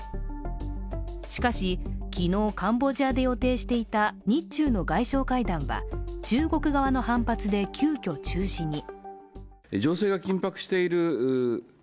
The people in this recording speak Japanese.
しかし、昨日、カンボジアで予定していた日中の外相会談は中国側の反発で急きょ中止に。